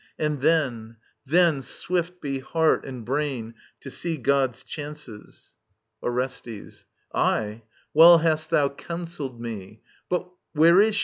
And then ... then swift be heart and brain, to see God's chances ! Orestes. Aye. Well hast thou counselled me. But •.. where is she?